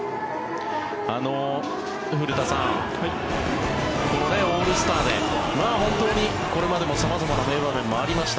古田さん、このオールスターで本当にこれまでも様々な名場面もありました。